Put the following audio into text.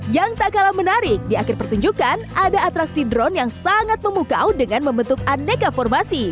yang tak kalah menarik di akhir pertunjukan ada atraksi drone yang sangat memukau dengan membentuk aneka formasi